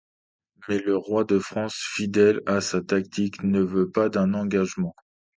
Mais le roi de France fidèle à sa tactique ne veut pas d'un engagement.